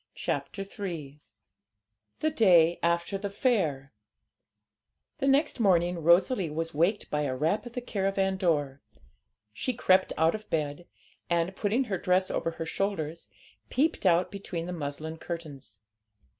CHAPTER III THE DAY AFTER THE FAIR The next morning Rosalie was waked by a rap at the caravan door. She crept out of bed, and, putting her dress over her shoulders, peeped out between the muslin curtains.